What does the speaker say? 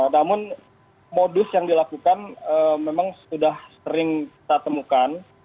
namun modus yang dilakukan memang sudah sering kita temukan